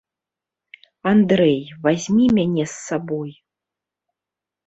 Андрэй, вазьмі мяне з сабой.